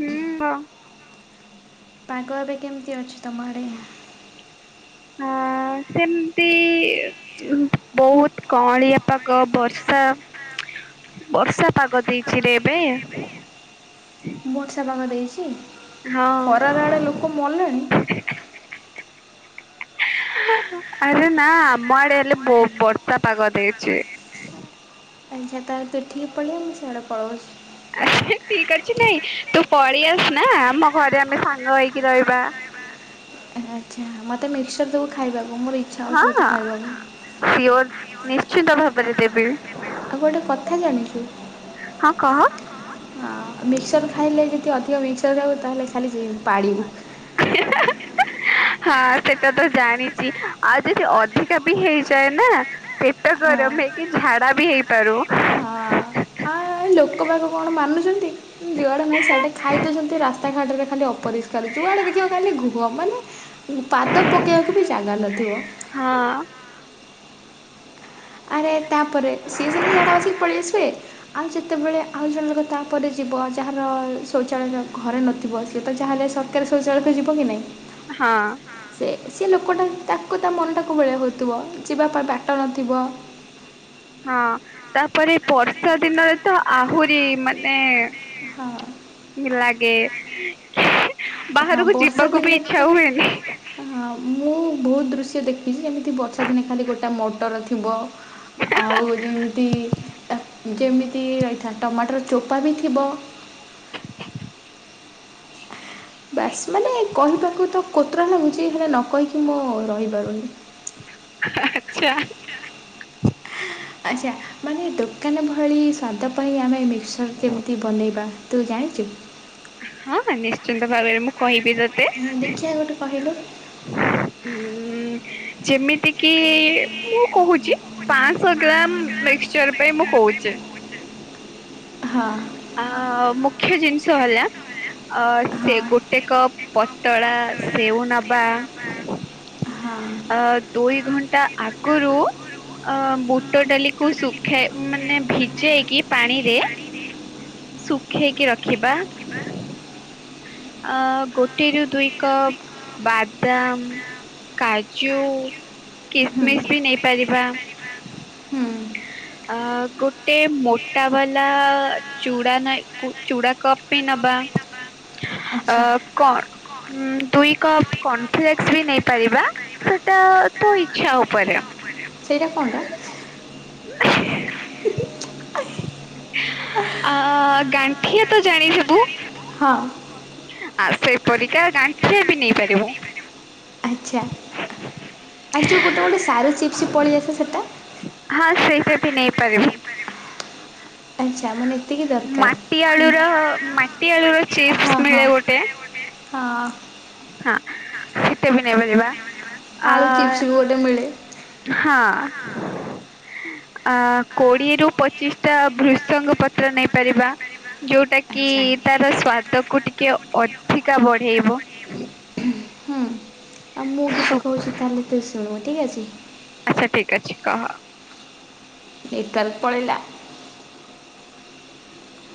ହୁଁ ବା ପାଗ ଏବେ କେମତି ଅଛି ତମଆଡ଼େ? ହଁ ସେମିତି ବହୁତ କଅଁଳିଆ ପାଗ ବର୍ଷା ବର୍ଷା ପାଗ ଦେଇଛିରେ ଏବେ। ବର୍ଷାପାଗ ଦେଇଛି? ହଁ। ଖରାରେ ଆଡ଼େ ଲୋକ ମଲେଣି। [inaudible] ଆରେ ନା ଆମ ଆଡେ ହେଲେ ବୋ ବହୁ ବର୍ଷା ପାଗ ଦେଇଛି। ଆଚ୍ଛା ତାହେଲେ ତୁ ଏଠିକି ପଳେଇ ଆ ମୁଁ ସିଆଡେ ପଳଉଛି। ହେଠିକ ଅଛି ନାଇଁ ତୁ ପଳେଇ ଆସ ନା ଆମ ଘରେ ଆମେ ସାନ ହେଇକି ରହିବା। ଆହା ଆଚ୍ଛା ମୋତେ ମିକ୍ସଚର ଦବୁ ଖାଇବାକୁ। ମୋର ଇଚ୍ଛା ହଉଛି ବହୁତ ହଁ ସିଓର ଖାଇବାକୁ। ନିଶ୍ଚିନ୍ତ ଭାବରେ ଦେବି। ଆଉ ଗୋଟେ କଥା ଜାଣିଛୁ? ହଁ କହ। ମିକ୍ସଚର ଖାଇଲେ ଯଦି ଅଧିକ ମିକ୍ସଚର୍ ଖାଇବୁ ତାହେଲେ ଖାଲି ଜିପାଡ଼ିବୁ। [inaudible] ହଁ ସେଇଟା ତ ଜାଣିଛି, ଆଉ ଯଦି ଅଧିକା ବି ହେଇଯାଏ ନା ପେଟ ହଁ ଗରମ କି ଝାଡା ବି ହେଇପାରୁ। ହଁ ଲୋକ ବାକ କଣ ମାନୁଛନ୍ତି। ଯୁଆଡେ ନାଇଁ ସେଆଡେ ଖାଇ ଦେଉଛନ୍ତି। ରାସ୍ତାଘାଟରେ ଖାଲି ଅପରିଷ୍କାର ଯୁଆଡେ ଦେଖିବା ଖାଲି ଘୁହ ମାନେ ପାଦ ପକେଇବାକୁ ବି ଜାଗା ନଥିବ। ହଁ। ଆରେ ତାପରେ ସିଏ ସିନା ଝାଡା ବସିକି ପଳେଇଆସିବେ ଆଉ ଯେତେବେଳେ ଆଉ ଜଣେ ଲୋକ ତାପରେ ଯି ବ ଯାହାର ଶୌଚାଳୟ ଘରେ ନଥିବ ସିଏ ତ ଯାହାଲେ ଶୈଚା ଶୌଚାଳୟକୁ ଯିବ କି ନାଇଁ? ହଁ ସେ ଲୋକଟା ତାକୁ ତା ମନଟା କୋ ଭଳିଆ ହେଉଥିବ ଯିବା ପାଇଁ ବାଟ ନଥିବ। ହଁ ତାପରେ ବର୍ଷା ଦିନରେ ତ ଆହୁରି ମାନେ ହଁ। ଲାଗେ। ହଁ ବାହାରକୁ ବର୍ଷା ଯିବାକୁ ବି ଦିନ ଇଚ୍ଛା ତ ହୁଏନି। ହ ମୁଁ ବହୁତ ଦୃଶ୍ୟ ଦେଖିଛି ଯେମିତି ବର୍ଷା ଦିନେ ଖାଲି ଗୋଟା ମୋଟର ଥିବ। ଆଉ ଯେମିତି ଆ ଯେମିତି ରହିଥା ଟମାଟର ଚୋପା ବି ଥିବ। [inaudible] ବାସ୍ ମାନେ କହିବାକୁ ତ କୋତରା ଲାଗୁଛି ହେଲେ ନ କହିକି ମୁଁ ରହିପାରୁନି। ଆହା ଆଚ୍ଛା। ଆଚ୍ଛା ମାନେ ଦୋକାନ ଭଳି ସ୍ଵାଦ ପାଇଁ ଆମେ ମିକ୍ସଚର କେମିତି ବନେଇବା ତୁ ଜା ଥ୍ୟାଙ୍କ ୟୁ। ହଁ ହଁ ନିଶ୍ଚିନ୍ତ ଭାବରେ ମୁଁ କହିବି। ସିଏ ତତେ ହଁ ଦେଖିବା ଗୋଟେ କହିଲୁ ଯେମିତି କି ମୁଁ କହୁଛି ପାଁଶ ଗ୍ରାମ ମିକ୍ସଚର ପାଇଁ ମୁଁ କହୁଛି। ହଁ। ଆ ମୁଖ୍ୟ ଜିନିଷ ହେଲା ଅ ସେ ହଁ ଗୋଟେ କପ୍ ପତଳା ସେଉ ନବା ହଁ ଅ ଦୁଇ ଘଣ୍ଟା ଆଗୁରୁ ଅ ବୁଟ ଡାଲିକୁ ଶୁଖାଇ ମାନେ ଭିଜେଇକି ପାଣିରେ ଶୁଖେଇକି ରଖିବା। ଅ ଗୋଟିଏରୁୁ ଦୁଇ କପ ବାଦାମ୍ କାଜୁ କିସମିସ୍ ହୁଁ ବି ନେଇପାରିବା। ହୁଁ [inaudible] ଆ ଗୋଟେ ମୋଟା ବାଲା ଚୁଢା ନାଇ ଚୂଡ଼ା କପ୍ ବି ନବା ଅ ଆଚ୍ଛା କ ଦୁଇ କପ୍ କର୍ଣ୍ଣ ଫ୍ଲେକ୍ସ ବି ନେଇପାରିବା। ସେଟା ତୁ ଇଚ୍ଛା ଉପରେ ସେଟା କଣ୍ ଟା? [inaudible] ଆ ଗାଣ୍ଠିଆ ତ ଜାଣି ଥିବୁ? ହଁ। ଆ ସେପରିକା ଗାଣ୍ଠିଏ ବି ନେଇପାରିବୁ। ଆଚ୍ଛା। [inaudible] ଆ ଯେଉଁ ଗୋଟେ ଗୋଟେ ସାରୁ ଚିପ୍ସ୍ ପଳେଇ ଆସ ସେଟା ହଁ ସେଇଟା ବି ନେଇପାରିବୁ। ଆଚ୍ଛା ମାନେ ଏତିକି ଦରକାର। ମାଟି ଆଳୁ ର ମାଟି ଆଳୁ ର ହଁ ଚିପ୍ସ୍ ହଁ ମିଳେ ଗୋଟେ ହଁ। ହଁ [unintelligible] ଶୀତେ ବି ନେଇପାରିବା। ଆ ଆଳୁ ଚିପ୍ସ ହଁ। [inaudible] ହଁ। ଅ କୋଡିଏରୁୁ ପଚିଶ ଟା ବୃଷଙ୍ଗ ପତ୍ର ନେଇପାରିବା। ଯୋଉଟା କି ତାର ସ୍ଵାଦକୁୁ ଟିକେ ଅଧିକା ବଢେଇବ। ହଁ [inaudible] ଆଉ ମୁଁ କିଛି ସୁ କହୁଛି ତାହେଲେ ତୁ ଶୁଣିବୁ ଠିକ୍ ଅଛି। ଆଚ୍ଛା ଠିକ ଅଛି କହ। ନି ତରେପଳିଲା [unintelligible]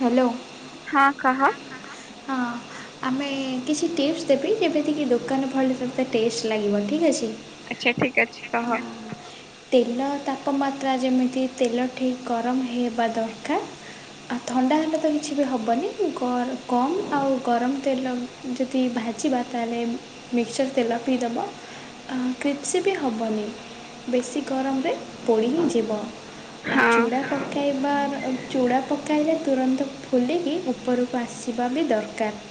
ହ୍ୟାଲୋ। ହଁ କହ। ହଁ। ଆମେ କିଛି ଟିପ୍ସ୍ ଦେବି ଯେମିତିକି ଦୋକାନ ଭଳି ତତେ ଟେଷ୍ଟ ଲାଗିବ ଠିକ୍ ଅଛି। ଆଚ୍ଛା ଠିକ ଅଛି କହ। ଆଜ୍ଞା। ତେଲ ତାପମାତ୍ରା ଯେମିତି ତେଲ ଠିକ ଗରମ ହେବା ଦରକାର। ଆଉ ଥଣ୍ଡା ହେଲେ ତ କିଛି ବି ହେବନି ଗ କମ୍ ଆଉ ଗରମ ତେଲ ଯଦି ଭାଜି ବା ହେ ମିିକ୍ସଚର ତେଲ ପିଇ ଦବ। କ୍ରିପ୍ସି ବି ହେବନି ବେଶି ଗରମରେ ପୋଡ଼ି ହି ଯିବ ଆଉ ହଁ ଚୁଡ଼ା ପକାଇବାର ଚୁଡ଼ା ପ ପକାଇରେ ତୁରନ୍ତ ଫୁଲିକି ଉପରକୁ ଆସିବା ବି ଦରକାର।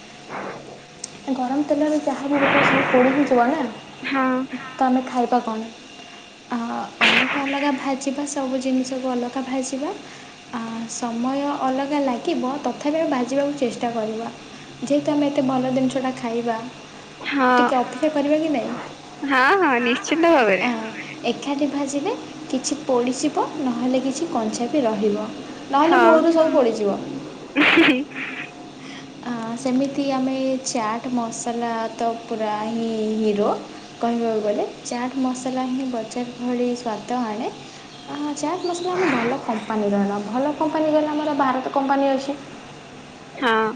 ଗରମ ତେଲରେ ଯାହା ବିି ରୋକିବ ସବୁ ପୋଡ଼ି ହେଇଯିବ ନା ହଁ ତ ଆମେ ଖାଇବା କଣ? ଅଲଗା ଅଲଗା ଭାଜିବା ସବୁ ଜିନିଷକୁ ଅଲଗା ଭାଜିବା ସମୟ ଅଲଗା ଲାଗିବ ତଥାପି ଆମେ ବାଜିବାକୁ ଚେଷ୍ଟା କରିବା ଯେହେତୁ ଆମେ ଏତେ ଭଲ ଜିନିଷଟା ଖାଇବା ହଁ ଟିକିଏ ଅପେକ୍ଷା କରିବା କି ନାଇଁ। ହଁ ହଁ ନିଶ୍ଚିନ୍ତ ଭାବରେ ଏକାଠି ଭାଜିଲେ କିଛି ପୋଡ଼ିଯିବ ନହେଲେ କିଛି କଞ୍ଚା ବି ରହିବ। ନହେଲେ ହଁ ମୂଳରୁ ସବୁ ପୋଡିଯିବ। ସେମିତି ଆମେ ଚାଟ୍ ମସଲା ତ ପୁରା ହିଁ ହିରୋ କହିବାକୁ ଗଲେ ଚାଟ୍ ମସଲା ହିଁ ବଜାର ଭଳି ସ୍ଵାଦ ଆଣେ ଆ ଚାଟ୍ ମସଲା ଆମେ ଭଲ କମ୍ପାନୀର ଭଲ କମ୍ପାନୀର ଆମର ଭାରତ କମ୍ପାନୀ ଅଛି। ହଁ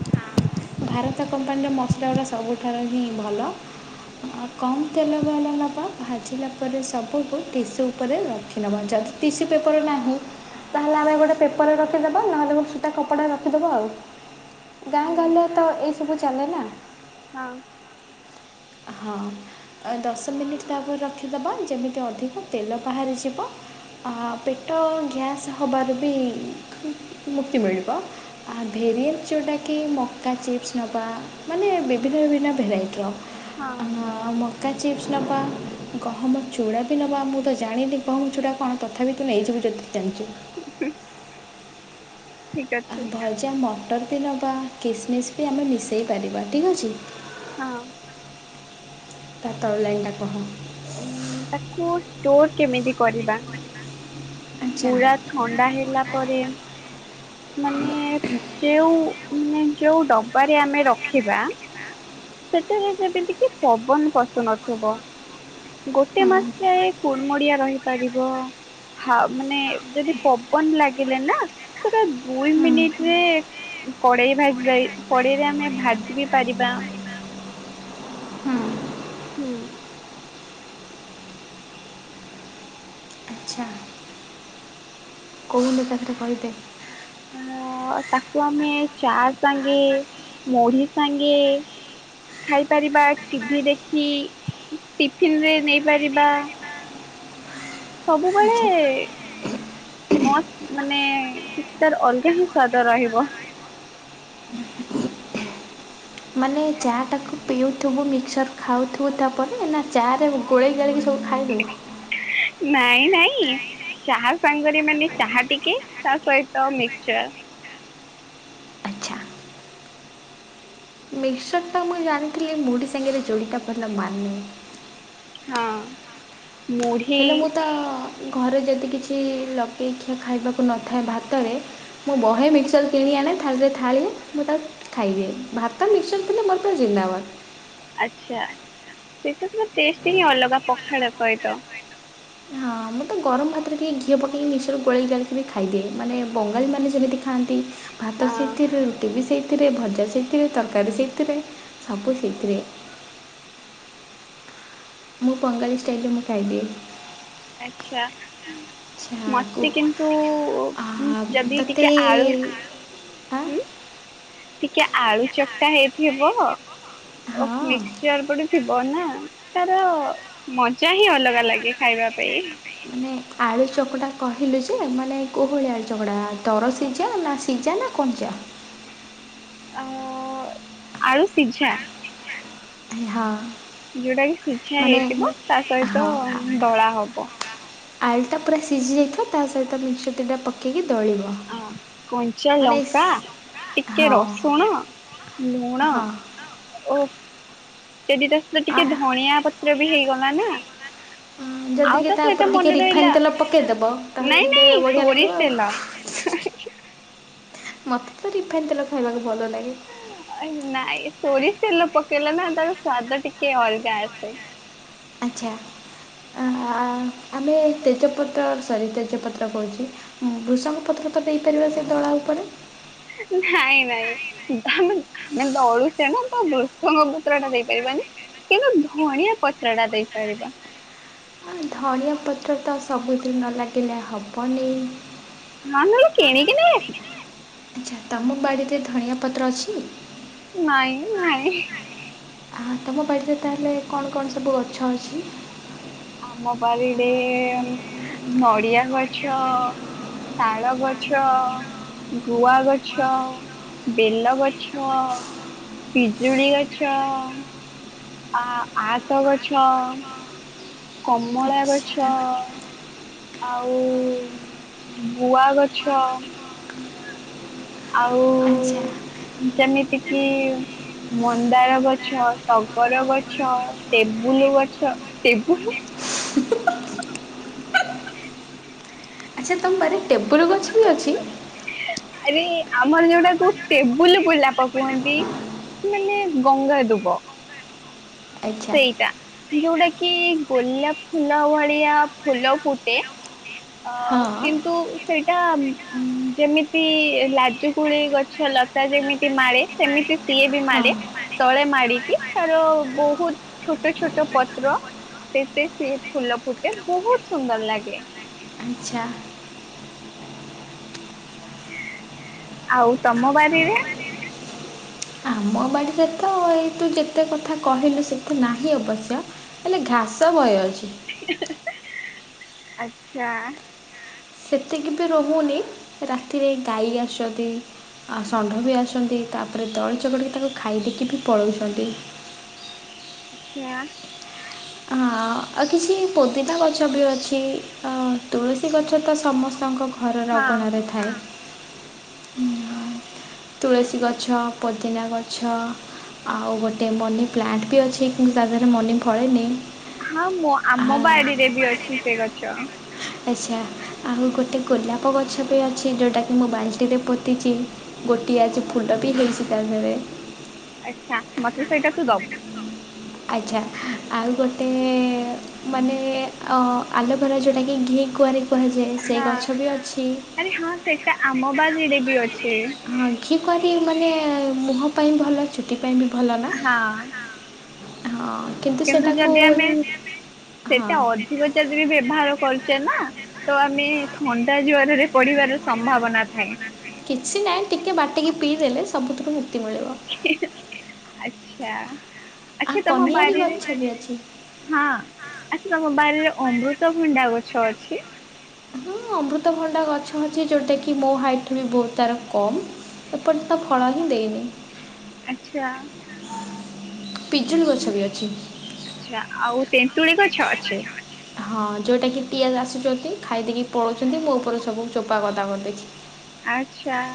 ଭାରତ କମ୍ପାନୀର ମସଲା ଗୁଡ଼ା ସବୁଠାରୁ ହିଁ ଭଲ। ଆ କମ୍ ତେଲ ବାଲା ନବା ଭାଜିଲା ପରେ ସବୁକୁ ଟିସୁ ଉପରେ ରଖି ନେବା ଯ ତିସୁ ପେପର ନା ତାହେଲେ ଆମେ ଗୋଟେ ପେପରରେ ରଖିଦବା ନହେଲେ ଗୋଟେ ସିଟା କପଡାରେ ରଖିଦବା ଆଉ। ଗାଁ ଗାହରେ ତ ଏଇ ସବୁ ଚାଲେନା। ହଁ ହଁ ଦଶ ମିନିଟ୍ ତାପରେ ରଖିଦେବା ଯେମିତି ଅଧିକ ତେଲ ବାହାରିଯିବ। ହଁ ପେଟ ଗ୍ୟାସ୍ ହବାର ବି ମୁକ୍ତି ମିଳିବ, ଆ [unintelligible] ମକା ଚିପ୍ସ ନବା ମାନେ ବିଭିନ୍ନ ବିଭିନ୍ନ ଭେରାଇଟିର ହଁ ଆ ମକା ଚିପ୍ସ ନେବା, ଗହମ ଚୁଡ଼ା ବି ନେବା, ମୁଁ ତ ଜାଣିନି ଗହମ ଚୁଡ଼ା କଣ ତଥାପି ତୁ ନେଇଯିବୁ ଯେତିକି ଜାଣିଚି ଠିକ ଅଛି ଭଲଜା ମଟର ବି ନେବା କିସମିସ୍ ବି ଆମେ ମିଶାଇ ପାରିବା ଠିକ୍ ଅଛି। ହଁ। ତା ତଳ ଲାଇନ୍ ଟା ଉ ତାକୁ ଷ୍ଟୋର କେମିତି କରିବା? ଆଚ୍ଛା ପୁରା ଥଣ୍ଡା ହେଲା ପରେ ମାନେ ଯୋଉ ମାନେ ଯୋଉ ଡବାରେ ଆମେ ରଖିବା ସେଠାରେ ଯେମିତି କିି ପବନ ପଶୁ ନଥିବ। ଗୋଟେ ମାସ ହଁ ଯାଏ କୁଣମ ରହି ମାନେ ଯଦି ପବନ ଲାଗିଲେ ନା ଦୁଇ ହୁଁ। ମିନିଟରେ କଡେଇ ଭାଜି ଯ କଡେଇରେ ଆମେ ଭାଜି ବି ପାରିବା। ହୁଁ ହୁଁ। କୋବନ୍ଦ ଚାକିରି କରିଦେ ଅ ତାକୁ ଆମେ ଚା ସାଙ୍ଗେ ମୁଢି ସାଙ୍ଗେ ଖାଇପାରିବା ଟିଭି ଦେଖି ଟିଫିନରେ ନେଇପାରିବା। ସବୁବେଳେ ମାନେ କିଛି ତାର ଅଲଗା ହିଁ ସ୍ଵାଦ ରହିବ। ହୁଁ। ମାନେ ଚାଟାକୁ ପିଉଥୁବୁ ମିକ୍ସର ଖାଉଥୁ ହୁ ତାପରେ ନା ଚାରେ ଗୋଳେଇ ଗଳିକି ସବୁ ଖାଇଦେଉୁ? ନାଇଁ ନାଇଁ ଚାହା ସାଙ୍ଗରେ ମାନେ ଚାହା ଟିକେ ତା ସହିତ ମିକସଚର। ମିସର ତ ମୁଁ ଜାଣିଥିଲି ମୁଢ ସାଙ୍ଗରେ ଯୋଡ଼ିତା ପିଲା ମାନେ। ହଁ। ମୁଢି ହେଲେ ମୁଁ ତ ଘରେ ଯଦି କିଛି ଲଗେଇ ଖିଆ ଖାଇବାକୁ ନଥାଏ ଭାତରେ ମୁଁ ବହେ ମିକ୍ସର୍ କିଣି ଆନେ ଥାଳିରେ ଥାଳିଏ ମୁଁ ତାକୁ ଖାଇଦିଏ, ଭାତ ମିକ୍ସର୍ ପଲେ ମୋର ପୁରା ଜିନ୍ଦାବାଦ। ଆଛା ସେଷ୍ଟ ହିଁ ଅଲଗା ପଖାଳ ସହିତ ହଁ ମୁଁତ ତ ଗରମ ଭାତରେ ଟିକେ ଘିଅ ପକେଇକି ମିଶ ଗୋଳଳି ଡାଲିକି ବି ଖାଇଦିଏ, ମାନେ ବଙ୍ଗାଳୀ ମାନେ ଯେମିତି ଖାଆନ୍ତି ଭାତ ହଁ। ସେଇଥିରେ ରୁଟି ବି ସେଇଥିରେ ଭଜା ସେଇଥିରେ ତରକାରୀ ସେଇଥିରେ। ସବୁ ସେଇଥିରେ। ମୁଁ ବଙ୍ଗାଳୀ ଷ୍ଟାଇଲରେ ମୁଁ ଖାଇଦିଏ। ଆଛା। ଆଚ୍ଛା ମତେ କିନ୍ତୁ କୁହ ଯଦି ତୋତେ ଟିକେ ଆଳୁ ହୁଁ। ଟିକେ ଆଳୁ ଚକଟା ହେଇଥିବ ହଁ ମିକ୍ସଚର ପଡି ଥିବ ନା ତାର ମଜା ହିଁ ଅଲଗା ଲାଗେ ଖାଇବା ପାଇଁ ମାନେ ଆଳୁ ଚକଟା ଦର ସିଝା ନା ସିଝା ନା ଆ ଆ ଆଳୁ ସିଝା। ହଁ। ଯୋଉଟା କି ଶିଝା ମାନେ ହେଇଥିବ ତା ସହିତ ଦଳା ହବ। ଆଳୁ ଟା ପୁରା ସିଝି ଯାଇଥିବ ତା ସହିତ ମିିକସଚର୍ ଦିଟା ପକେଇକି ଦଳିବ ଆ କଞ୍ଚା ମାନେ ଲଙ୍କା ଟିକେ ହଁ ରସୁଣ ଲୁଣ ହଁ ଓ ଯଦି ତା ସହିତ ଆ ଟିକେ ଧଣିଆ ପତ୍ର ବି ହେଇଗଲା ନା ଯଦି ଆଉ କିି ତା ସହିତ ଉପରେ ଟିକେ ମନେ ରିଫାଇନ୍ ରହିଲା ତେଲ ପକାଇଦେବ ତାହେଲେ ନାଇଁ ଟିକେ ନାଇଁ ବଢ଼ିଆ ସୋରିଷ ଲାଗିବ ଆଉ। ତେଲ। ମତେ ତ ରିଫାଇନ ତେଲ ଖାଇବାକୁ ଭଲ ଲାଗେ। ନାଇଁ ସୋରିଷ ତେଲ ପକେଇଲେ ନା ତାର ସ୍ଵାଦ ଟିକେ ଅଲଗା ଆସେ। ଆଚ୍ଛା। ଆମେ ତେଜପତ୍ର ସରି ତେଜପତ୍ର କହୁଛି ଭୃଷଙ୍ଗ ପତ୍ର ଦେଇପାରିବା ସେ ଦଳା ଉପରେ। ନାଇଁ ନାଇଁ ଆମେ ଦଳୁଚେ ନା ତ ବୃଷଙ୍ଗ ପତ୍ର ଟା ଦେଇପାରିବାନି। କିନ୍ତୁ ଧଣିଆ ପତ୍ର ଟା ଦେଇପାରିବା। ଆଉ ଧନିଆ ପତ୍ର ତ ସବୁଦିନ ଲାଗିଲେ ହବନି। [unintelligible] ନାନୁ ଲ କିଣି କି ନେଇ ଆସିବା। ଆଚ୍ଛା ତମ ବାଡ଼ିରେ ଧଣିଆ ପତ୍ର ଅଛି? ନାଇଁ ନାଇଁ। ତମ ବାଡିରେ ତାହେଲେ କଣ୍ କଣ୍ ସବୁ ଗଛ ଅଛି? ଆମ ବାରି ରେ ନଡିଆ ଗଛ ତାଳ ଗଛ ଗୁଆ ଗଛ ବେଲ ଗଛ ପିଜୁଳି ଗଛ ଆ ଆତ ଗଛ କମଳା ଆଚ୍ଛା ଗଛ ଆଉ ବୁଆ ଗଛ। ଆଉ ଆଚ୍ଛା ଯେମିତି କିି ମନ୍ଦାର ଗଛ, ଟଗର ଗଛ, ଟେବୁଲୁ ଗଛ ଟେବୁଲୁ [inaudible] [unintelligible] ଆରେ ଟେବୁଲୁ ଗଛ ବି ଅଛି ଆରେ ଆମର ଯୋଉଟାକୁ ଟେବୁଲୁ ଗୁଲାପ କୁହନ୍ତି। ମାନେ ଗଙ୍ଗା ଦୁବ। ଆଚ୍ଛା ସେଇଟା ଯୋଉଟା କି ଗୋଲାପ୍ ଫୁଲ ଭଳିଆ ଫୁଲ ଫୁଟେ। ଅ ହଁ କିନ୍ତୁ ସେ ଟା ଯେମିତି ଲାଜୁ କୁଳି ଗଛ ଲତା ଯେମିତି ମାଳେ ସେମିତି ସିଏ ବି ମାଡେ ତଳେ ମାଡିକି ତାର ବହୁତ ହଁ ଛୋଟ ଛୋଟ ପତ୍ର ସେତେ ସିଏ ଫୁଲ ଫୁଟେ ବହୁତ ସୁନ୍ଦର ଲାଗେ। ଆଛା। ଆଉ ତମ ବାରିରେ ମୋ ବାଡିରେ ତ ଏଇ ତୁ ଯେତେ କଥା କହିଲୁ ସେତେ ନାହିଁ ଅବଶ୍ୟ ହେଲେ ଘାସ ବହେ ଅଛି। ଆଚ୍ଛା। ସେତିକି ବି ରହୁନି ରାତିରେ ଗାଈ ଆସୁଛନ୍ତି। ଆଉ ଷଣ୍ଢ ବି ଆସୁଛନ୍ତି ତାପରେ ଦଳି ଚକଡ଼ିକି ତାକୁ ଖାଇଦକି ବି ପଳଉଛନ୍ତି। ସେଆ ହଁ। ଆଉ କିଛି ପୋଦିନା ଗଛ ବି ଅଛି ତୁଳସୀ ଗଛ ତ ସମସ୍ତଙ୍କ ଘରର ଅ ଅଗଣାରେ ହଁ। ଥାଏ। ତୁଳସୀ ଗଛ, ପୋଦିନା ଗଛ, ଆଉ ଗୋଟେ ମନି ପ୍ଲାଣ୍ଟ୍ ବି ଅଛି, କି ତା ଦେହରେ ମନି ଫଳେଇ ନିି। ମଁ ଆମ ବାଡିରେ ବି ଅଛି ସେ ଗଛ। ଆଛା ଆଉ ଗୋଟେ ଗୋଲାପ ଗଛ, ବି ଅଛି ଯେଉଟା କିି ମୁଁ ବାଲ୍ଟି ରେ ପୋତିଛି ଗୋଟିଏ ଆଜି ଫୁଲ ବି ହେଇଛି। [unintelligible] ଆଛା ମାତେ ସେଇଟା ତୁ ଦବୁ। ଆଛା, ଆଉ ଗୋଟେ ମାନେ ଅ ଆଲୁଭରା ଯେଉଁଟାକି ଘି କୁଆଁରି କୁହାଯାଏ, ସେ ହଁ ଗଛ ବି ଅଛି। ବାରି ରେ ବି ଅ ହଁ ଘି କୁଆଁରି ମାନେ ମୁହଁ ପାଇଁ ଭଲ ଚୁଟି ପାଇଁ ବି ଭଲ ନା? ଆଁ। ହଁ। କିନ୍ତୁ ଯଦି ଆମେ ହଁ। ସେଇଟା ଅଧିକ ଯଦି ବି ବ୍ୟବହାର କରଛେ ନା ତ ଆମେ ଥଣ୍ଡା ଜରେ ପଢିବାର ସମ୍ଭାବନା ଥାଏ। କିଛି ନାହିଁ ଟିକେ ବାଟିକି ପିଇଦେଲେ ସବୁଥିରୁ ମୁକ୍ତିମିଳେ। ଆଛା। ଆ ଆଛା ତମ କନିଆରୀ ବାରରେ ଗଛ ବି ଅଛି। ହଁ ଆଛା ତମ ବାରିର ଅମୃତଭଣ୍ଡା ଗଛ ଅଛି। ହଁ ଅମୃତଭଣ୍ଡା ଗଛ ଅଛି, ଯୋଉଟା କିି ମୋ ହାଇଟ୍ ବି ବହୁତ ତାର କମ୍ ଏପଟ ତ ଫଳ ହିଁ ଦେଇନି। ପିଜୁଳି ଗଛ ବି ଅଛି। ଆଛା ଆଉ ତେନ୍ତୁଳି ଗଛ ଅଛେ? ହଁ ଯୋଉଟା କି ପିଆଜ ଆସୁଛନ୍ତି, ଖାଇଦକି ପଳଉଛନ୍ତି, ମୋ ଉପରେ ସବୁ ଚୋପା ଗଦା କରି ଦେଇ ଆଚ୍ଛା